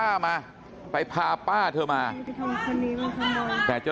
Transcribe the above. สวัสดีครับคุณผู้ชาย